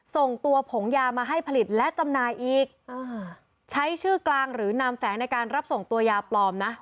ส่งตัวผงยามาให้ผลิตและจำหน่ายอีกใช้ชื่อกลางหรือนามแฝงในการรับส่งตัวยาปลอมนะ